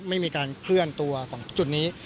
ไม่มีการเคลื่อนตัวของจุดนี้